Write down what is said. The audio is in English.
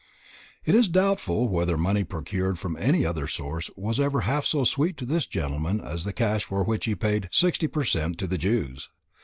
It is doubtful whether money procured from any other source was ever half so sweet to this gentleman as the cash for which he paid sixty per cent to the Jews.